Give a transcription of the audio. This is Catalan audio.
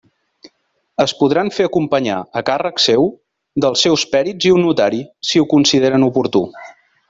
Es podran fer acompanyar, a càrrec seu, dels seus perits i un notari, si ho consideren oportú.